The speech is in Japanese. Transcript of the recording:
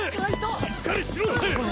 しっかりしろって。